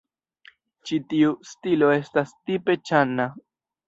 Ĉi tiu stilo estas tipe Ĉan-a.